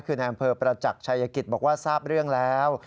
คือในอำเภอประจักษ์ชายกิจบอกว่าทราบเรื่องแล้ว